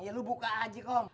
ya lu buka aja kok